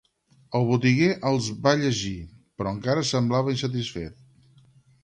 El botiguer els va llegir, però encara semblava insatisfet.